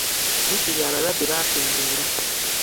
Misiri abalwadde baakendeera.